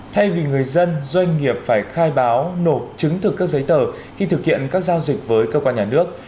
thay vì người dân doanh nghiệp phải khai báo nộp chứng thực các giấy tờ khi thực hiện các giao dịch với cơ quan nhà nước